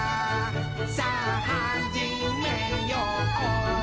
さぁはじめよう」